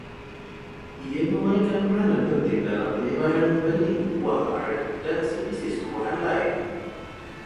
Ia memainkan peranan penting dalam penyebaran benih buah ara dan spesies tumbuhan lain